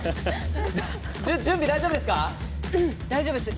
準備大丈夫ですか？